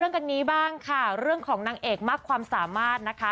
เรื่องนี้บ้างค่ะเรื่องของนางเอกมากความสามารถนะคะ